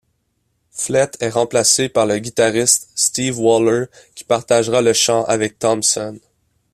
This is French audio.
Flett est remplacé par le guitariste Steve Waller, qui partagera le chant avec Thompson.